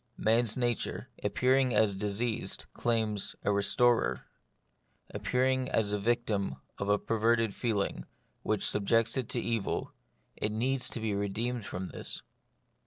Man's nature, appearing as diseased, claims a re storer ; appearing as the victim of a perverted feeling, which subjects it to evil, it needs to be redeemed from this.